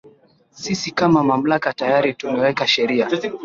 Sisi kama Mamlaka tayari tumeweka sheria